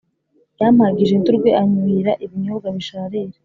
Yampagije indurwe, anyuhira ibinyobwa bisharira.